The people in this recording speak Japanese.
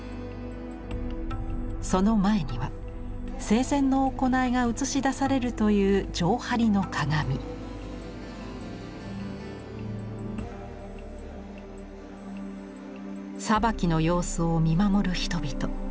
その前には生前の行いが映し出されるという裁きの様子を見守る人々。